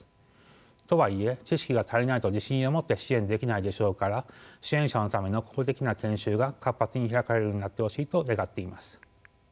とはいえ知識が足りないと自信を持って支援できないでしょうから支援者のための公的な研修が活発に開かれるようになってほしいと願っています。